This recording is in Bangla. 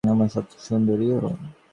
আর সবচেয়ে সুন্দরীও।